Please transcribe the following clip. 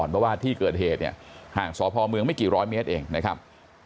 เพราะว่าที่เกิดเหตุเนี่ยห่างสพเมืองไม่กี่ร้อยเมตรเองนะครับ